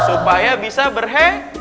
supaya bisa berhe